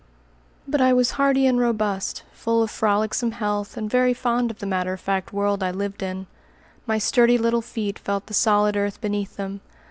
But I was hearty and robust, full of frolicsome health, and very fond of the matter of fact world I lived in. My sturdy little feet felt the solid earth beneath them.